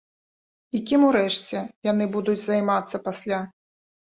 І кім урэшце яны будуць займацца пасля?